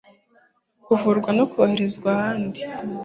kuvurwa no koherezwa ahandi